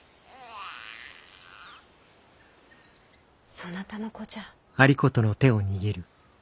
そなたの子じゃ。